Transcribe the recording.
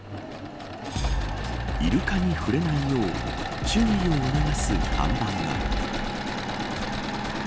イルカに触れないよう注意を促す看板が。